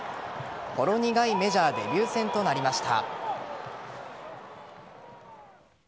ほろ苦いメジャーデビュー戦となりました。